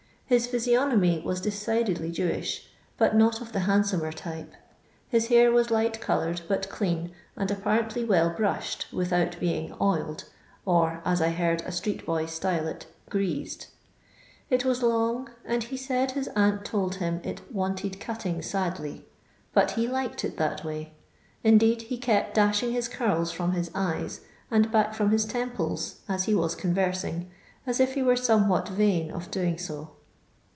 His physiognomy was decidedly Jewish, bat not of the handsomer type. His hair was light coloured, but clean, and apparently well brushed, without being oiled, or, as I heard a atreet boy style it, "igreased"; it was long, and heasid his aunt tohi him it " wanted cutting sadly ;" but he ''liked it that way;" indeed, he kept dashing his curls from ^his eyes, and back firom his tem ples, as he was conversing, as if he were some what vain of doing so.